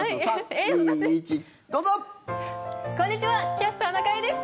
「キャスターな会」です。